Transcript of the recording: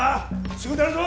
すぐ出るぞ！